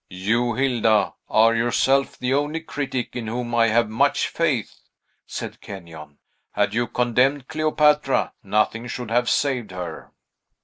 "You, Hilda, are yourself the only critic in whom I have much faith," said Kenyon. "Had you condemned Cleopatra, nothing should have saved her."